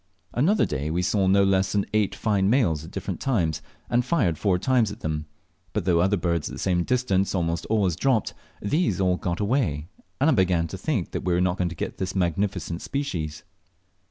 Another day we saw no less than eight fine males at different times, and fired four times at them; but though other birds at the same distance almost always dropped, these all got away, and I began to think we were not to get this magnificent species.